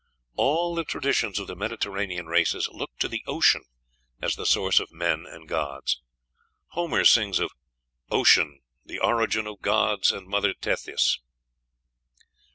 All the traditions of the Mediterranean races look to the ocean as the source of men and gods. Homer sings of "Ocean, the origin of gods and Mother Tethys."